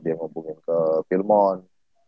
dia ngomongin ke philmon